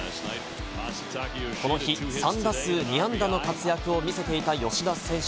この日、３打数２安打の活躍を見せていた吉田選手。